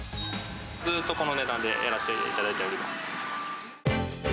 ずっとこの値段でやらしていただいております。